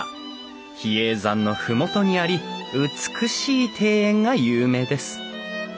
比叡山の麓にあり美しい庭園が有名です。